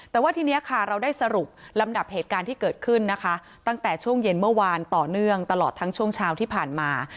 แต่ว่าทีนี้ค่ะเราได้สรุปลำดับเหตุการณ์ที่เกิดขึ้นนะคะตั้งแต่ช่วงเย็นเมื่อวานต่อเนื่องตลอดทั้งช่วงเช้าที่ผ่านมา